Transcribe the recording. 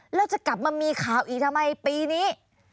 แล้วจะกลับมามีข่าวอีกทำไมปีนี้